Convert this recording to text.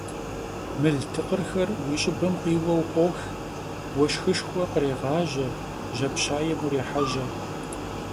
Мыл тыкъырхэр уи щӀыбым къиуэу къох, уэшхышхуэ кърегъажьэ, жьапщаем урехьэжьэ.